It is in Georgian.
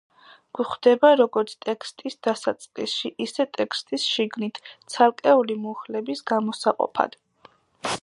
გვხვდება როგორც ტექსტის დასაწყისში, ისე ტექსტის შიგნით, ცალკეული მუხლების გამოსაყოფად.